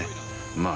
まあ